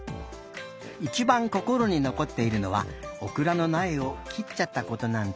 いちばんこころにのこっているのはオクラのなえを切っちゃったことなんだって。